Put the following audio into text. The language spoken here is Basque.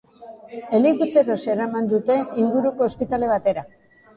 Helikopteroz eraman dute inguruko ospitale batera.